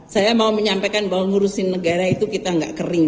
saya mau menyampaikan bahwa ngurusin negara itu kita nggak kering